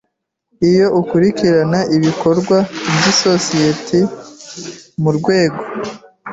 Iyo ukurikirana ibikorwa by isosiyete mu rwego